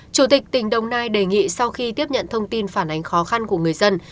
chủ tịch tỉnh đồng nai đề nghị sau khi tiếp nhận thông tin phản ánh khó khăn của người dân